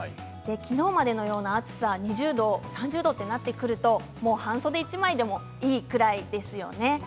きのうまでの暑さ、２０度３０度となってくるともう半袖１枚でもいいぐらいですよね。